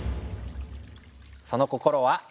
その心は？